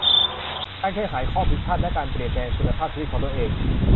การแก้ไขข้อผิดพลาดและการเปลี่ยนแปลงคุณภาพชีวิตตัวเอง